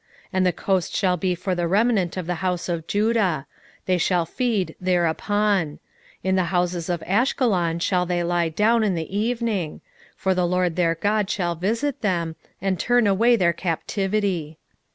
2:7 And the coast shall be for the remnant of the house of Judah; they shall feed thereupon: in the houses of Ashkelon shall they lie down in the evening: for the LORD their God shall visit them, and turn away their captivity.